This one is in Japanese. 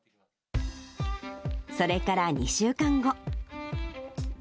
それから２週間後。